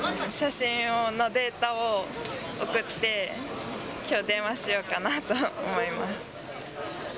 写真のデータを送って、きょう、電話しようかなと思います。